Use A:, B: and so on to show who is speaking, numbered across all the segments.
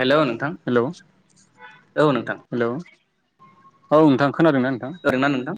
A: Hello नोंथां
B: hello
A: औ नोंथां।
B: हेलौ औ नोंथां। खोनादोंना नोंथां
A: खोनादो ना नोंथां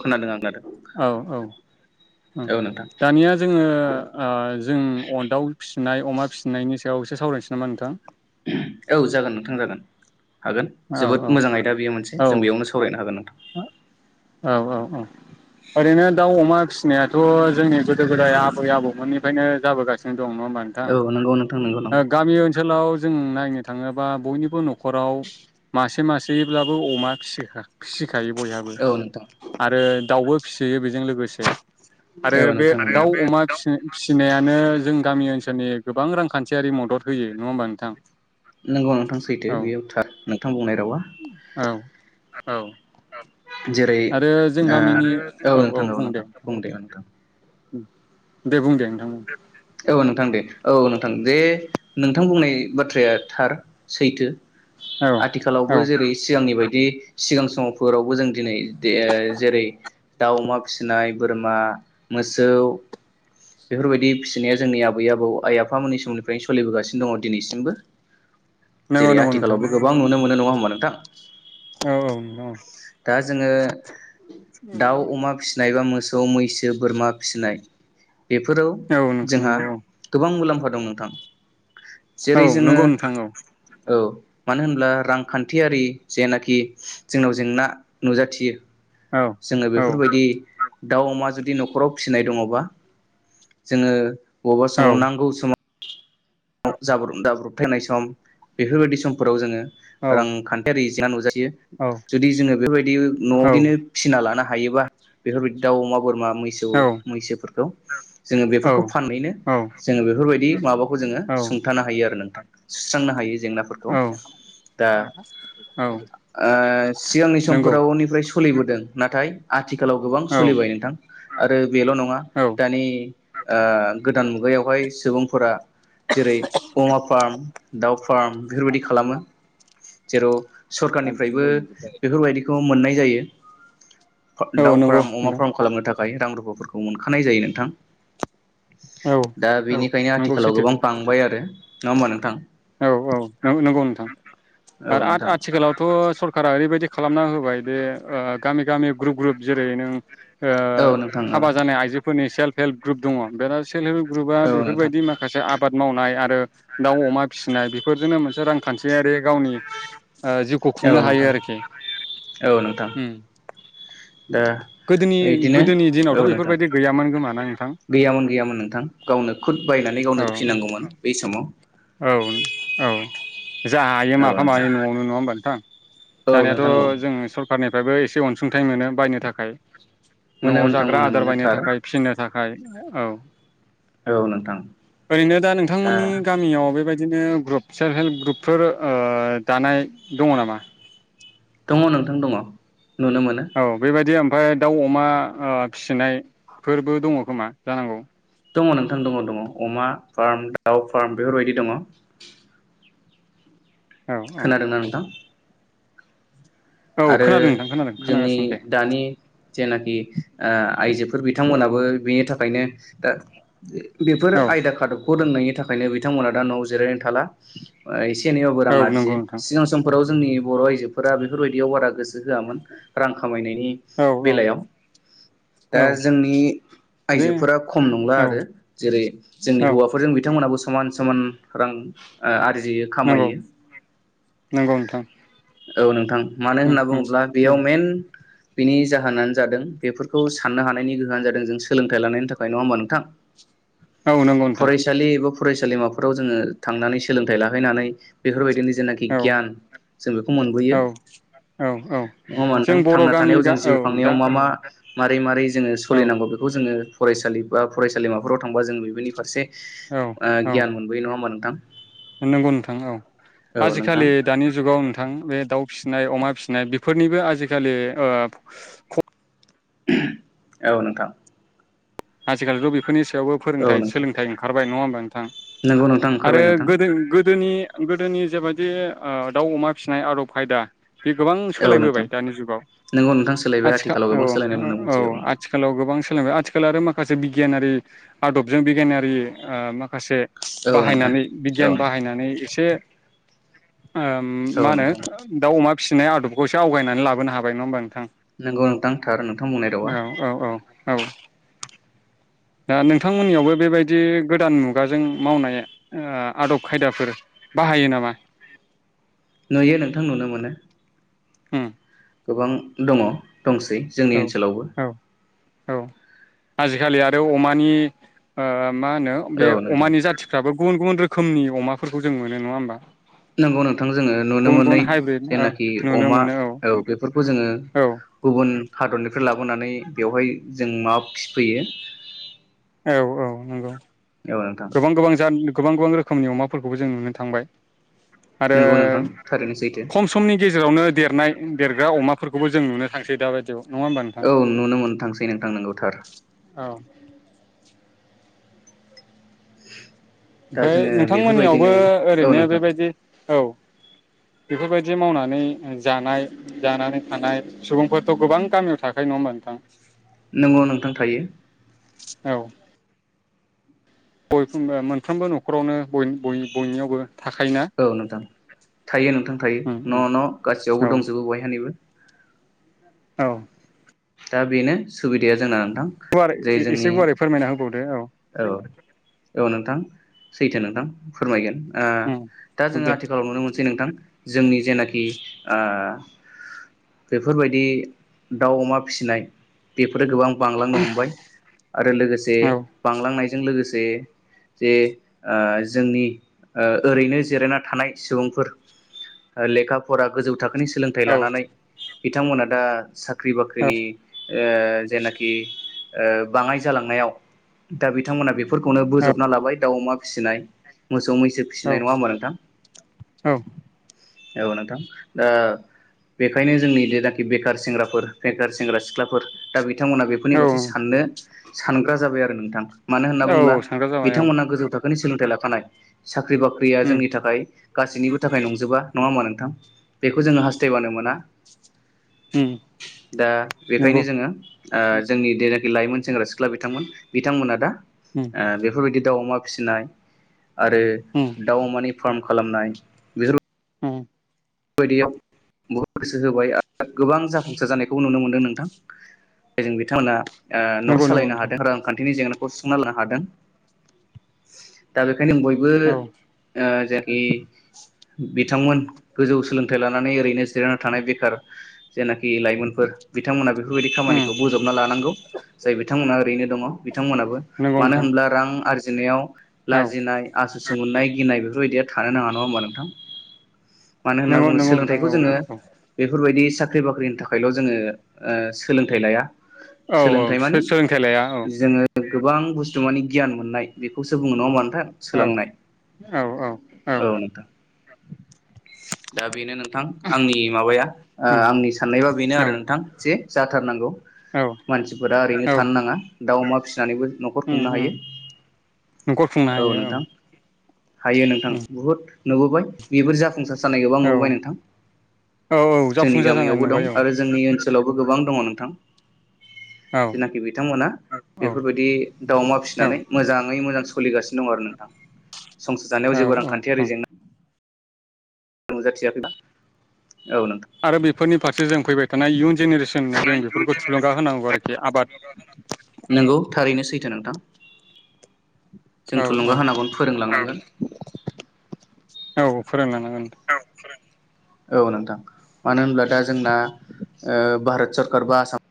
A: खोनादों आं खोनादों।
B: औ औ ओं
A: औ नोंथां
B: दानिया जोङो ओ जों अ दाउ फिसि नाय अमा फिसिनायनि सायाव एसे सावरायनोसै नामा नोंथां?
A: औ जागोन नोंथां जागोन। हागोन
B: औ
A: जोबोद
B: औ
A: मोजां आयदा बेयो मोनसे
B: औ
A: जों बेयावनो सावरायनो हागोन नोंथां।
B: औ औ औ ओरैनो दाउ अमा फिसिनायाथ' जोंनि गोदो गोदाय आबै आबौमोननिफ्रायनो जाबोगासिनो दं नङा होमबा नोंथां?
A: औ नंगौ नोंथां नंगौ
B: ओ
A: नंगौ
B: गामि ओनसोलाव जों नाय नो थांङोबा बयनिबो न'खराव मासे मासेब्लाबो अमा फिसिखा फिसि खायो बयहाबो
A: औ नोंथां
B: आरो दाउबो फिसियो बेजों लोगोसे आरो
A: औ
B: बे
A: नोंथां
B: दाउ अमा
A: नंगौ
B: फिसि-फिसिनायानो जों गामि ओनसो इसोरनि गोबां रांखान्थियारि मद
A: नंगौ नोंथां
B: औ
A: सैथो बेयाव थार नों थां बुंनाय रावा
B: औ औ
A: जेरै ओ औ नोंथां औ नोंथां बुं दे नोंथां
B: दे बुं दे नोंथांमोन।
A: औ नोंथां दे औ नोंथां दे नोंथां बुंनाय बाथ्राया थार सैथो।
B: औ औ
A: आथिखालावबो जेरै सिगांनि बायद बे सिगां समावफोरावबो जों दिनै। दे जेरै दाउ अमा फिसिनाय बोरमा मोसौ बेफोरबायदि। फिसिनाया जोंनि आबै आबौ आइ आफाम मोनोनै समनिफ्रायनो सोलिबोगासिनो दङ दिनैसिमबो।
B: नंगौ
A: जेरै
B: नंगौ नोंथां
A: आथिखालावबो गोबां नुनोमोन नङा होमबा नोंथां।
B: औ औ नंगौ
A: दा जोङो। दाउ अमा फिसिनायबा मोस सौ मैसो बोरमा फिसिनाय। बेफोराव
B: औ
A: जोंहा
B: नंगौ
A: गोबां मुलाम्फा। दं नोंथां।
B: औ
A: जेरै जोङो।
B: नंगौ नोंथां औ
A: औ मानो होनब्ला रांखान्थियारि जेनाखि जोंनाव जेंना। नुजाथियो।
B: औ
A: जोङो
B: औ
A: बेफोरबायदि। दाउ अमा जुदि न'खराव फिसिनाय दङबा जोङो। बबेबा
B: औ
A: समाव नांगौ समाव। ज्र जाब्रबथायनाय सम बेफोरबायदि समफोराव जोङो। रांखान्थियारि। जा नुजाथि जुदि जोङो बेफोरबायदि न'आवदिनो फिसिना लाना हायोबा बेफोरबायदि दाउ अमा बोरमा। मैसौ मैसोफोरखौ। ओ जोङो बेफोरखौ फाननैनो
B: औ
A: जोङो बेफोरबायदि। माबाखौ जों। सुंथानो हायो आरो नोंथां। सुस्रांनो हायो। जेंनाफोरखौ
B: औ
A: दा
B: औ
A: ओ सिगांनि
B: नंगौ
A: समफोराव उननिफ्राय। सलिबोदों नाथाय। आथिखालाव गोबां
B: औ
A: सोलिबाय नोंथां। आरो बेल नङा दानि ओ गोदान मुगायावहाय सुबुंफोरा जेरै अमा फार्म दाउ फार्म बेफोरबायदि खालामो। जेराव सरखारनिफ्रायबो बेफोरबायदिखौ मोननाय जायो।
B: औ
A: दाउ
B: नंगौ
A: फार्म अमा
B: नोंथां
A: फार्म खालामनो थाखाय दायो रां रुफाफोरखौ मोनखानाय जायो नोंथां।
B: औ
A: दा
B: औ
A: बेनिखायनो
B: नंगौ
A: आथिखालाव गोबां थांबाय आरो नङा होमबा नोंथां।
B: औ-औ नंगौ नंगौ नोंथां
A: औ
B: आरो आथि
A: नोंथां
B: आथिखालावथ सरखारा ओरैबायदि खालामना होबाय दे ओ गामि गामि ग्रुप ग्रुप जेरै नों ओ
A: औ नोंथां
B: हाबा जानाय आइजोफोरनि सेल्फ हेल्प ग्रुप दङ बेना सेल्फ हेल्प ग्रुपा
A: औ नोंथां
B: बेफोरबायदि माखासे आबाद मावनाय आरो दाउ अमा फिसिनाय बेफोरजोंनो मोनसे रांखान्थियारि गावनि जिउखौ
A: औ
B: खुंनो हायो
A: नोंथां
B: आरोखि
A: औ नोंथां दा
B: गोदोनि
A: बिदिनो
B: गोदोनि
A: औ
B: दिनावथ'
A: नोंथां
B: बेफोरबायदि गैयामोन खोमा ना नोंथां
A: गैयामोन गैयामोन नोंथां गावनो खुद बायनानै
B: औ
A: गावनो फिनांगौमोन बै समाव।
B: औ औ जा हायो
A: औ
B: माफा मानै
A: नोंथां
B: न'आवनो नङा होमबा नोंथां
A: औ
B: दानियााथ
A: नोंथां औ
B: जों सरखारनि निफ्रायबो एसे अनसुंथाइ मोनो बायनो थाखाय।
A: मोनो
B: न'आव
A: नोंथां
B: जाग्रा
A: मोनो
B: आदार
A: मोनो
B: बायनो
A: थार
B: थाखाय फिनो था खाय औ
A: औ नोंथां
B: ओरैनो दा नोंथांमोननि गामियाव बे बिदिनो ग्रुब सेल्फ हेल्प ग्रुपफोर दानाय दङ नामा?
A: दङ नोंथां दङ। नुनो मोनो
B: औ बेबायदि ओमफ्राय दाउ अमा फिसिनायफोरबो दङ खोमा जानांगौ।
A: दङ नोंथां दङ दङ अमा फार्म दाउ फार्म बेफोरबायदि दङ।
B: औ औ
A: खोनादोंना नोंथां।
B: औ
A: आरो
B: खोनादों नोंथां खोनादों
A: जोंनि
B: खोनागासिनो दे
A: दानि जेनेखि आइजोफोर बिथांमोनाबो बेनि थाखा खायनो दा बेफोर
B: औ
A: आयदा खादबखौ रोंनायनि थाखायनो बिथांमोना दा नआव जिरायनो थाला एसे एनैबाबो रां
B: औ
A: आरजि
B: नंगौ नोंथां
A: सिगां समफोर जोंनि बर आइजोफोरा बे फोरबायायदियाव बारा गोसो होआमोनोन रां खा खामायनायनि
B: औ औ
A: बेलायाव दा
B: औ
A: जोंनि
B: बे
A: आइजोफोरा खम नंला
B: औ
A: आरो जेरै जोंनि
B: औ
A: हौवाफोरजों बिथांमोनाबो समान समान रां ओ आर्जियो
B: नंगौ
A: खामायो
B: [inaudible]
A: औ नोंथां मानो
B: उम
A: होनना
B: उम
A: बुङोब्ला
B: उम
A: बेयाव मेन बिनि जाहोनानो जादों बेफोरखौ साननो हानायनि गोहोआनो जादों जों सोलोंथाइ लानायनि थाखाय नङा होमबा नोंथां
B: औ नंगौ नोंथां
A: फरायसालि एबा फरायसा सोलिमाफोराव जोङो थांनानै सोलोंथाइ लाहैनानै बेफोरबायदिनो जेनाखि
B: औ
A: गियान जों बेखौ मोनबोयो
B: औ औ औ
A: नङा होमबा
B: जों
A: नोंथां
B: बर'
A: थांना
B: गामि
A: थानायाव जों
B: गा
A: जिउ
B: औ
A: खांनायाव
B: दा
A: मा मा मारै मारै जोङो
B: औ
A: सलिनांगौ बेखौ जोङो फरायसालि बा फरायसालिमाफोराव थांबा जों बेफोनि फारसे ओ गियान मोनबोयो नङा होनबा नों थां
B: नोंगौ नोंथां औ
A: नोंथां
B: आजिखालि दानि जु जुगाव नोंथां बे दाउ फिसिनाय अमा फिसिनाय बेफोरनिबो आजिखालि ओ ख
A: औ नोंथां
B: आजिखालिथ बे फोरनि सायावबो
A: औ
B: फोरोंथाइ
A: नोंथां
B: सोलोंथाइ ओंखारबाय नङा होमबा नोंथां
A: नोंगौ नोंथां
B: आरो
A: ओंखारबाय नोंथां
B: गोदोनि गोदोनि गोदोनि जेबायदि ओ दाउ अमा फिसिनाय आदब खायदा बे गोबां
A: औ नोंथां
B: सोलायबोबाय दानि जुगाव
A: नोंगौ नोंथां सोलायबाय
B: आथिखाल
A: आथिखालाव
B: औ
A: गोबां सोलायनाय नुनो
B: ओ औ
A: मोनसै नोंथां
B: आथिखालाव गोबां सोलायबाय आथिखाल आरो मा माखासे बिगियानारि आदबजों बिगियानारि ओ माख माखासे
A: औ नोंथां
B: बाहायनानै
A: औ
B: बिगियान बाहायनानै एसे ओम
A: औ
B: मा होनो
A: नोंथां
B: दाउ अमा फिसिनाय आदबखौ एसे आवगायनानै लाबोनो हाबाय नङा होमबा नोंथां।
A: नंगौ नोंथां थार नोंथां बुंनाय रावा।
B: औ औ औ। दा नोंथांमोननियावबो बेबायदि गोदान मुगाजों मावनाय ओ आदब खायदाफोर बाहायो नामा?
A: नुयो नोंथां नुनो मोनो।
B: उम।
A: गोबां दङ। दंसै जोंनि
B: औ
A: ओनसोलावबो
B: औ औ आजिखालि आरो अमानि ओ मा होनो बे
A: औ नोंथां
B: अमानि जाथिफ्राबो गुबुन गुबुन रोखोम रोखोमनि अमाफोरखौ जों मोनो नङा होमबा।
A: नोंगौ नोंथां जोङो नुनो
B: गुबुन
A: मोनै
B: गुबुन हाइब्रिद ओ
A: जेनाखि
B: नुनो
A: अमा
B: मोनो
A: औ बेफोरखौ जोङो
B: औ
A: गुबुन हादरनिफ्राय लाबोनानै बेवहाय जों मा फिफैयो।
B: औ औ नंगौ।
A: औ नोंथां
B: गोबां गोबां जा गोबां गोबां रोखोमनि अमाफोरखौबो जों नुनो थांबाय। आरो
A: नंगौ नोंथां थारैनो सैथो
B: खम समनि गेजेरावनो देरनाय देरग्रा अमाफोरखौबो जों नुनो थांसै दाबायदि
A: औ नुनो मोननो थांसै नोंथां नोंगौ थार।
B: औ
A: [unintelligible]
B: ओमफ्राय
A: जोङो
B: नोंथांमोननियावबो
A: बेफोरबायदिनो औ
B: ओरैनो
A: नोंथां
B: बेबायदि औ। बेफोरबायदि मावनानै जानाय जानानै थानाय सुबुंफोरथ' गोबां गामियाव थाखायो नङा होमबा नोंथां।
A: नोंगौ नोंथां थायो।
B: औ। ओ मोनफ्रोमबो न'खरावनो बय बय बयनियावबो थाखायोना
A: औ नोंथां थायो नोंथां थायो
B: उम
A: न'
B: उम
A: न' गासैयावबो
B: औ
A: दंजोबो बहानिबो।
B: औ।
A: दा बेनो सुबिदाया जोंना
B: गुवार
A: जे जोंनि
B: एसे गुवारै फोरमायना होबावदो औ।
A: औ औ नोंथां सैथो नोंथां फोरमायगोन। ओ
B: उम
A: दा जोङो
B: दे
A: आथिखालाव नुनो मोनसै नोंथां। जोंनि जेनाखि ओ बेफोरबायदि दाउ अमा फिसिनाय बे फोर गोबां बांलांनो हमबाय आरो लोगोसे
B: औ
A: बांलांनायजों लोगोसे जे ओ जोंनि ओरैनो जिरायना थानाय सुबुंफोर लेखा फरा गोजौ थाखो बेनि सोलोंथाइ
B: औ
A: लानानै बिथांमोना दा सा बाख्रि
B: औ
A: बाख्रिनि ओ जेनाखि ओ बाङाय जालांनायाव दा बिथांमोना बे फोरखौनो बोजोबना लाबाय दाउ अमा फिसिनाय मोसौ, मै सो
B: औ
A: फिसिनाय नङा होमबा नोंथां?
B: औ
A: औ नोंथां। ओ बेखायनो जोंनि जेनाखि बेखार सेंग्राफोर बेखार सेंग्रा सिख्लाफोर दाबि थांमोना बेफोरनि बारै साननो सानग्रा जाबाय आरो नोंथां। मानो होनना
B: औ
A: बुंब्ला
B: सांग्रां जाबाय औ
A: बिथांमोना गोजौ थाक खोनि सोलोंथाइ लाखानाय। सा ख्रि बाख्रिया
B: उम
A: जोंनि थाखाय गासैनिबो थाखाय नंजोबा नङा होमबा नोंथां? बेखौ जोङो हास्थायबानो मोना।
B: उम
A: दा बेखायनो
B: नंगौ
A: जोङो ओ जोंनि जेनाखि लाइमोन सेंग्रा सिख्ला बिथांमोन बिथांमोना दा
B: उम
A: ओ बेफोरबायदि दाउ अमा फिसिनाय आरो
B: उम
A: दाउ अमानि फार्म खालामनाय बेफोर
B: उम।
A: बायदियाव बहुद गोसो होबाय आरो गोबां जाफुंसार जानायखौ नुनो मोनदों नोंथां। जायजों बिथांमोना ओ न'खर
B: नंगौ नंगौ
A: सालायनो
B: नोंथां
A: हादों रांखान्थिनि जेंना खौ सुुस्रांना लानो हादों। बेखायनो बयबो
B: औ
A: ओ जायखि बिथांमोन गोजौ सोलोंथाइ लाना नै ओरैनो जिरायना थानाय बेखार जेनाखि लाइमोनफोर बिथांमोना बेफोरबायदि
B: उम
A: खामानिखौ बजबना लानांगौ। जाय बिथांमोनहा ओरैनो दङ बिथांमोनाबो।
B: नंगौ
A: मानो
B: नोंथां
A: होनब्ला रां आर थिननायाव
B: औ
A: लाजिनाय, आसुसु मोननाय गिनाय बेफोरबायदिया थानो नाङा नङा होमबा नोंथां? मानो होनना
B: नंगौ
A: बुङो
B: नंगौ नोंथां
A: सोलोंथाइखौ
B: औ
A: जोङो
B: औ
A: बेफोरबायदि साख्रि बाख्रिनि थाखायल' जोङो ओ सोलोंथाइ लाया।
B: औ औ
A: सोलोंथाइ मानि
B: सो-सोलोंथाइ लाया औ।
A: जोङो गोबां बुस्थु मानि गियान मोननाय। बेखौसो बुङो नङा होमा नोंथां
B: औ
A: सोलांनाय
B: औ औ
A: औ नोंथां। दा बेनो नों थां आंनि माबाया ओ
B: उम
A: आंनि सान्नायबा बेनो
B: औ
A: आरो नोंथां जे जाथारनांगौ।
B: औ
A: मानसिफोरा ओरैनो
B: औ
A: थानो नाङा। दाउमा फिस जानैबो न'खर
B: उम
A: खुंनो
B: उम
A: हायो
B: न'खर खुंनो
A: औ
B: हायो
A: नोंथां। हायो नोंथां
B: उम
A: बुहुद नुबोबाय बेफोर जाफुंसार जानाय गोबां
B: औ
A: नुबोबाय नोंथां
B: औ औ
A: जोंनि
B: जाफुंसार जानाय
A: गामियावबो दं
B: नुबाय औ
A: आरो जोंनि ओनसो सोलावबो गोबां दङ' नोंथां।
B: औ
A: जेनाखि बिथांमोना
B: औ
A: बेफोरबायदि दाउ अमा
B: औ
A: फिसिनानै मोजाङै मोजां स थलिगासिनो दं आरो नोंथां। संसार जानायाव जेबो
B: औ
A: रांखान्थियारि
B: औ
A: जेंना नुजाथियाखैबा औ नोंथां
B: आरो बेफोरनि फारसे जों फैबाय थ थाना इयुन ज जेनेरेसोननो जों बेफोरखौ थुलुंगा होनांगौ आरोखि आबाद
A: जे नोंथां। जों
B: औ
A: थुलुंगा होनांगन फोरोंलांनांगोन।
B: औ फोराननानो
A: औ फोरों औ नोंथां। मानो होनब्ला दा जोंना ओ भारोत सोरकार बा आसाम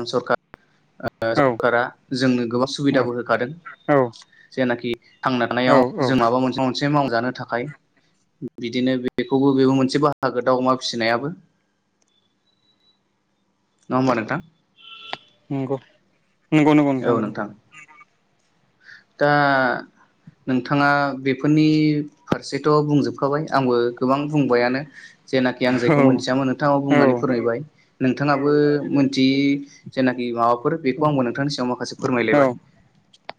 A: मस'खा ओ
B: औ
A: सरकारा जोंनो गोबां सुबिदाबो होखादों
B: औ
A: जेनाखि थांना
B: औ
A: हाव
B: औ
A: जों माबा [inaudible] मोनसे मावजानो थाखाय बिदिनो बेखौबो बेबो मोनसे बाहागो दाउ अमा फिसिनायाबो। नङा होम्बा नोंथां?
B: नंगौ। नंगौ नंगौ नोंथां नंगौ।
A: दा नोंथाङा बेफोरनि फारसेथ' बुंजोबखाबाय आंबो गोबां बुंबायानो जेनाखि आं
B: औ
A: जायखौ मोनथियामोन नोंथाङाव
B: औ
A: बुंनानै फोरमायबाय नोंथाङाबो मोनथियै जेनाखि माबाफोर बेखौ आंबो नोंथांनि सायाव माखासे
B: औ
A: फोरमायलायबाय।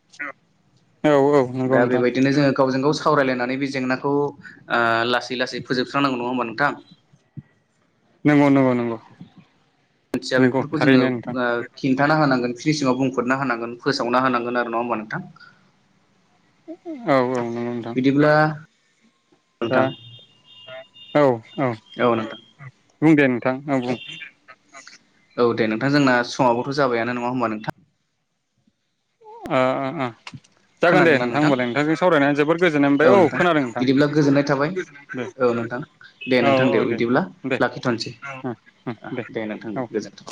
A: [unintelligible]
B: औ औ नंगौ
A: दा
B: नोंथां
A: बेबायदिनो जोङो गावजों गाव सावरायलायनानै बे जेंनाखौ ओ लासै लासै फोजोबस्रांनांगौ नङा होमबा नोंथां?
B: नंगौ नंगौ नंगौ।
A: मिथिया
B: नंगौ
A: बेफोरखौ जोङो
B: थारैनो नोंथां
A: ओ खिन्थाना होनांगोन फिनिसिंवाव बुंफोरना होनांगोन फोसावना होनांगोन आरो नङा होमबा नोंथां?
B: औ औ। नंगौ नोंथां
A: बिदिब्ला
B: दा
A: नोंथां
B: औ औ बुं दे नोंथां औ बुं।
A: औ दे नोंथां जोंना समावबोथ' जाबाय ना नङा होमबा नोंथां?
B: ओ ओ ओ। जागोन दे
A: खोनादोंना नोंथां?
B: होमबालाय नोंथांजों सावरायनानै जोबोर गोजोननाय मोनबाय
A: औ नोंथां
B: खोनादों
A: बिदिब्ला गोजोननाय थाबाय
B: दे
A: औ नोंथां दे
B: औ
A: नोंथां
B: औ
A: दे बिदिब्ला
B: दे
A: लाखिथ'नोसै
B: ओ ओ
A: दे नोंथां दे
B: औ
A: गोजोनथों।